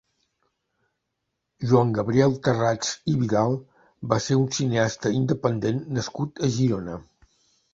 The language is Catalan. Joan-Gabriel Tharrats i Vidal va ser un cineasta independent nascut a Girona.